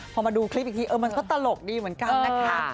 พอมาดูคลิปอีกทีมันก็ตลกดีเหมือนกันนะคะ